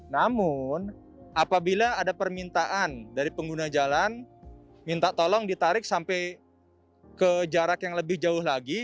namun apabila ada permintaan dari pengguna jalan minta tolong ditarik sampai ke jarak yang lebih jauh lagi